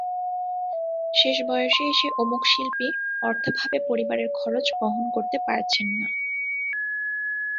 শেষ বয়সে এসে অমুক শিল্পী অর্থাভাবে পরিবারের খরচ বহন করতে পারছেন না।